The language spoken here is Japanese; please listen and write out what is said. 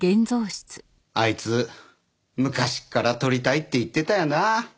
あいつ昔から撮りたいって言ってたよな。